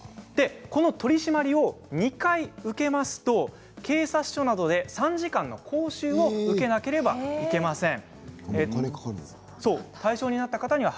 この取締りを２回、受けますと警察署などで３時間の講習を受けなければいけません。